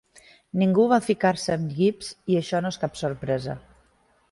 Ningú vol ficar-se amb Gibbs, i això no és cap sorpresa.